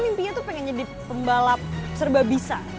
mimpinya tuh pengen jadi pembalap serba bisa